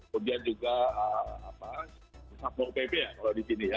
kemudian juga apa sabo opp ya kalau di sini ya